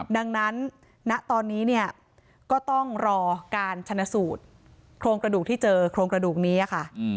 ดังนั้นณตอนนี้เนี่ยก็ต้องรอการชนะสูตรโครงกระดูกที่เจอโครงกระดูกนี้ค่ะ